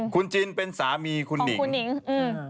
คุณจินเป็นสามีคุณหนิง